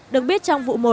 được biết trong vụ một